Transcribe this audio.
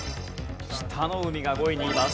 北の湖が５位にいます。